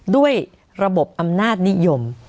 ด้วยระบบอำนาจนิยม